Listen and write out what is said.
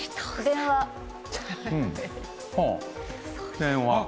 電話。